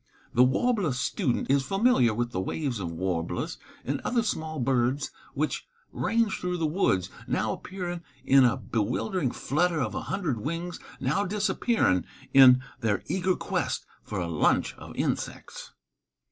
The warbler student is familiar with the waves of warblers and other small birds which range through the woods, now appearing in a bewildering flutter of a hundred wings, now disappearing in their eager quest for a lunch of insects.